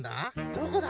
どこだ？